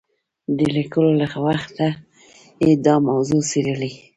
د لیکلو له وخته یې دا موضوع څېړلې.